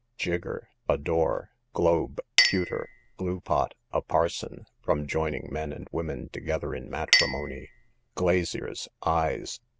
Gigger, a door. Globe, pewter. Glue pot, a parson; from joining men and women together in matrimony. Glaziers, eyes.